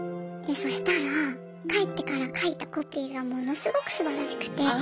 でそしたら帰ってから書いたコピーがものすごくすばらしくて。